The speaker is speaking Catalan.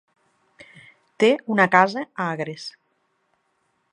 Té una casa a Agres.